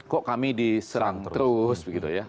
kok kami diserang terus begitu ya